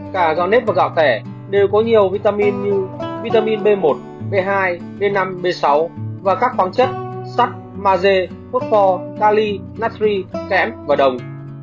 cả gạo nếp và gạo tẻ đều có nhiều vitamin như vitamin b một b hai b năm b sáu và các khoáng chất sắt maze phốt pho kali natri kém và đồng